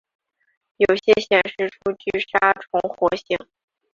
有些显示出具杀虫活性。